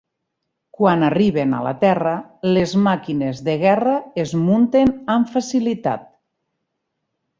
Quan arriben a la Terra, les màquines de guerra es munten amb facilitat.